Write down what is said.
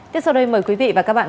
tiếp sau đây mời quý vị và các bạn